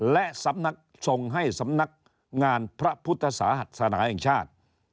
และสำนักส่งให้สำนักงานพระพุทธศาสนาแห่งชาติ